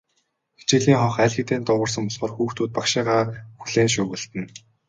Хичээлийн хонх аль хэдийн дуугарсан болохоор хүүхдүүд багшийгаа хүлээн шуугилдана.